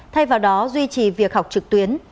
thay vào đó duy trì việc học trực tuyến